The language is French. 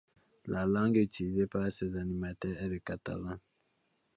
La langue utilisée par ses animateurs est le catalan.